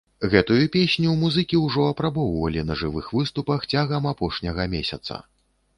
Гэтую песню музыкі ўжо апрабоўвалі на жывых выступах цягам апошняга месяца.